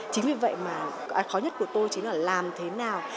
chính vì vậy mà cái khó nhất của tôi chính là làm thế nào